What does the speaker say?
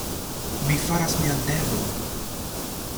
Mi faras mian devon.